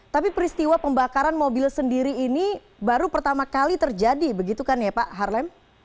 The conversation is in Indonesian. tapi peristiwa pembakaran mobil sendiri ini baru pertama kali terjadi begitu kan ya pak harlem